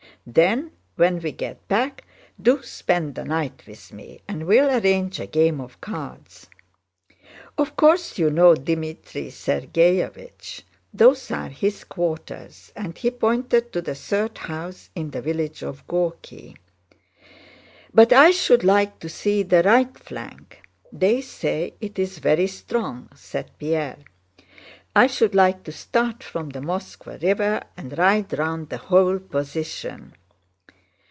Then when we get back, do spend the night with me and we'll arrange a game of cards. Of course you know Dmítri Sergéevich? Those are his quarters," and he pointed to the third house in the village of Górki. "But I should like to see the right flank. They say it's very strong," said Pierre. "I should like to start from the Moskvá River and ride round the whole position."